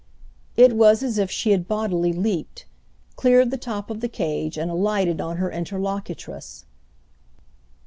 It was as if she had bodily leaped—cleared the top of the cage and alighted on her interlocutress.